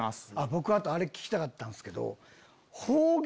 僕あとあれ聞きたかったんですけど。